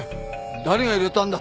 誰が入れたんだ？